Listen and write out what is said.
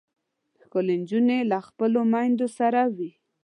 ښکلې نجونې له خپلو میندو سره وي.